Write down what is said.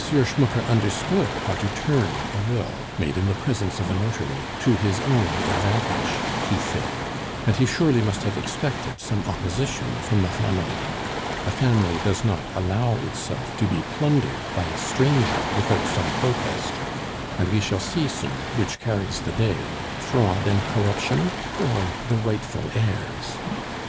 Schmucke understood how to turn a will, made in the presence of a notary, to his own advantage," he said, "and he surely must have expected some opposition from the family. A family does not allow itself to be plundered by a stranger without some protest; and we shall see, sir, which carries the day fraud and corruption or the rightful heirs....